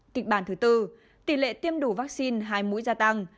kịch bản thứ tư tỷ lệ tiêm đủ vaccine hai mũi gia tăng